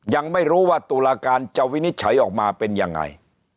ยังไม่รู้ว่าตุลาการจะวินิจฉัยออกมาเป็นยังไง